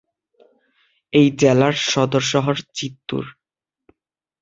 এই জেলার সদর শহর চিত্তুর।